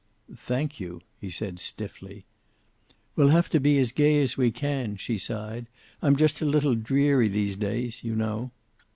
"Thank you," he said, stiffly. "We'll have to be as gay as we can," she sighed. "I'm just a little dreary these days, you know."